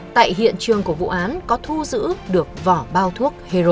ở tại hiện trường của vụ án có thu giữ được vỏ bao thuốc hero